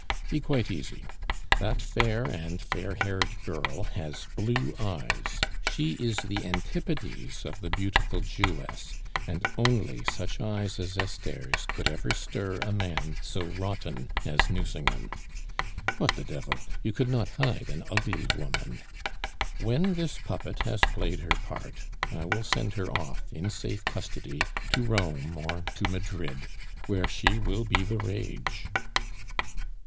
Be quite easy. That fair and fair haired girl has blue eyes; she is the antipodes of the beautiful Jewess, and only such eyes as Esther's could ever stir a man so rotten as Nucingen. What the devil! you could not hide an ugly woman. When this puppet has played her part, I will send her off in safe custody to Rome or to Madrid, where she will be the rage."